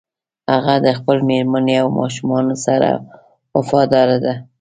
هغه د خپلې مېرمنې او ماشومانو سره وفاداره ده